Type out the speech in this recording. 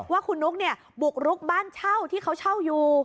ว่าคุณนุ๊กเนี่ยบุกรุกบ้านเช่าที่เขาเช่าอยู่